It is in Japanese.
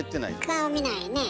顔見ないね。